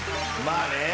まあね。